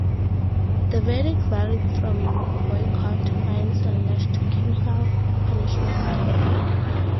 The verdicts varied from boycott, fines, and lash to capital punishment.